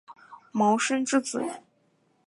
茅坤之子。